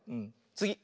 つぎ！